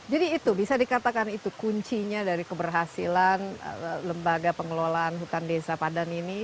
jadi itu bisa dikatakan itu kuncinya dari keberhasilan lembaga pengelolaan hutan desa padan ini